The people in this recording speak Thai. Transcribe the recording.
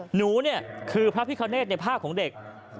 หนูเนี่ยคือพระพิคเนธในผ้าของเด็ก